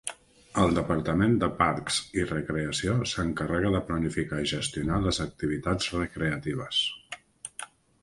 El Departament de Parcs i Recreació s'encarrega de planificar i gestionar les activitats recreatives.